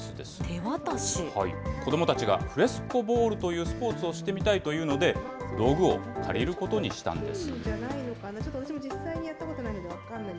子どもたちがフレスコボールというスポーツをしてみたいというので、道具を借りることにしたんです。